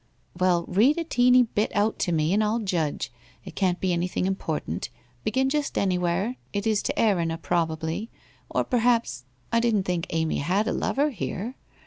1 'Well, rend a teeny bit out to me, and I'll judge. It can't be anything important. Begin jint anywhere. It is to I'^rinna probably. Or perhaps — I didn't think Amy had a lover hero?